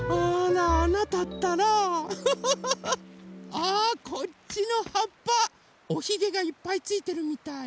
あこっちのはっぱおひげがいっぱいついてるみたい。